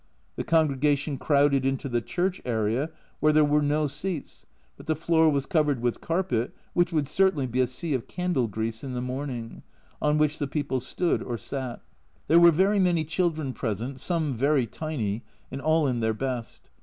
The congregation crowded into the church area, where there were no seats, but the floor was covered with carpet (which would certainly be a sea of candle grease in the morning), on which the people stood or sat. There were very many children present, some very tiny, and all in their best.